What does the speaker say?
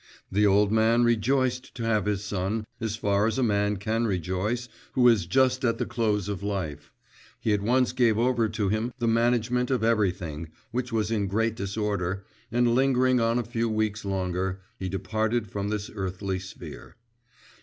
The old man rejoiced to have his son, as far as a man can rejoice who is just at the close of life; he at once gave over to him the management of everything, which was in great disorder, and lingering on a few weeks longer, he departed from this earthly sphere.